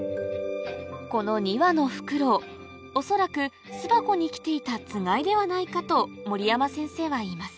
この２羽のフクロウ恐らく巣箱に来ていたつがいではないかと守山先生は言います